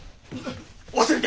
忘れて！